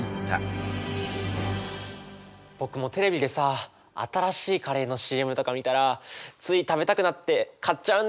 僕もテレビでさ新しいカレーのＣＭとか見たらつい食べたくなって買っちゃうんだよね。